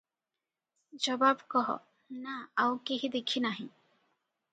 ଜବାବ କଃ -ନା, ଆଉ କେହି ଦେଖି ନାହିଁ ।